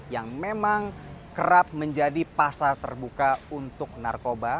yang memang kerap menjadi pasar terbuka untuk narkoba